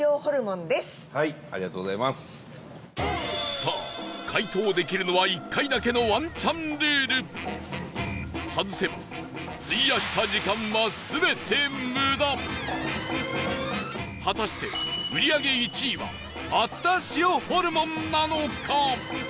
さあ、解答できるのは１回だけのワンチャンルール外せば費やした時間は全て無駄果たして、売り上げ１位は熱田塩ホルモンなのか？